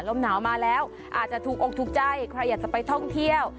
ลมหนาวมาแล้วอาจจะถูกอกถูกใจใครอยากจะไปท่องเที่ยว